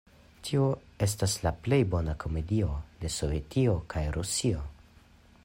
Tiu estas la plej bona komedio de Sovetio kaj Rusio!